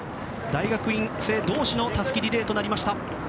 大学院生同士のたすきリレーとなりました。